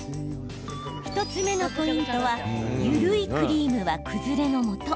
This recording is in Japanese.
１つ目のポイントは緩いクリームは崩れのもと。